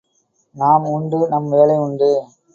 நாம் உண்டு நம் வேலை உண்டு!